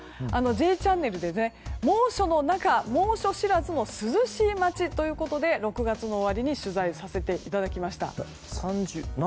「Ｊチャンネル」で猛暑の中、猛暑知らずの涼しい街ということで６月の終わりに取材させていただきました。